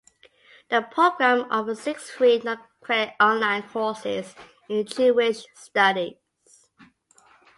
The program offers six free non-credit online courses in Jewish Studies.